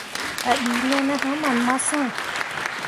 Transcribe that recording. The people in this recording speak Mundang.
A ɗii me ne haman massh.